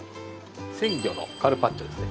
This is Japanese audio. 鮮魚のカルパッチョですね。